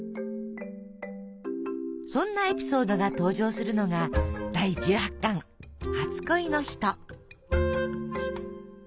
そんなエピソードが登場するのが第１８巻「初恋の人」。